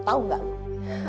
tau gak lo